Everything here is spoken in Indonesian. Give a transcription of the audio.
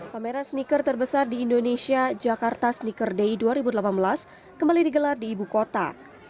pameran sneaker terbesar di indonesia jakarta sneaker day dua ribu delapan belas kembali digelar di ibu kota